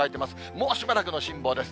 もうしばらくの辛抱です。